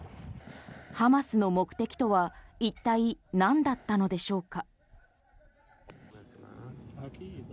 ハマスの目的とは一体、なんだったのでしょうか？